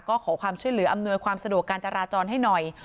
ก็ขอความช่วยเหลืออำนวยความสะดวกการจราจรให้หน่อย